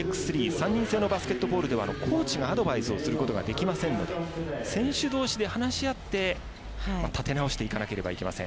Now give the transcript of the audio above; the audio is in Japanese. この３ｘ３３人制のバスケットボールではコーチがアドバイスをすることができませんので選手どうしで話し合って立て直さなければいけません。